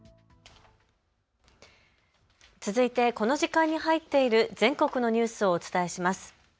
続いてこの時間に入っている全国のニュースをお伝えします。